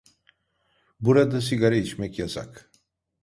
Burada sigara içmek yasak.